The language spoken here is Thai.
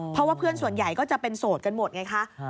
เพราะว่าเพื่อนส่วนใหญ่ก็จะเป็นโสดกันหมดไงคะ